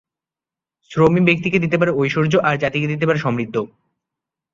শ্রমই ব্যক্তিকে দিতে পারে ঐশ্বর্য আর জাতিকে দিতে পারে সমৃদ্ধি।